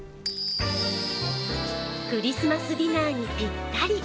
クリスマスディナーにピッタリ。